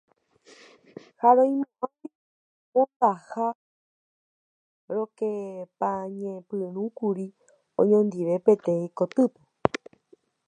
Ha roimo'ãgui mondaha rokepañepyrũkuri oñondive peteĩ kotýpe.